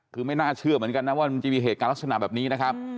คือไม่น่าเชื่อเหมือนกันนะว่ามันจะมีเหตุการณ์ลักษณะแบบนี้นะครับ